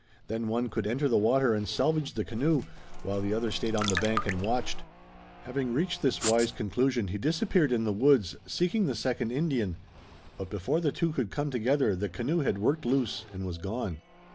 Then one could enter the water and salvage the canoe, while the other stayed on the bank and watched. Having reached this wise conclusion he disappeared in the woods, seeking the second Indian, but before the two could come together the canoe had worked loose and was gone.